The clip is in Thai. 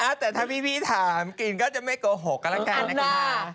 แต่ถ้าพี่ถามกินก็จะไม่โกหกกันแล้วกันนะคะ